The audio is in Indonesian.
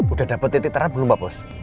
udah dapet titik terap belum pak bos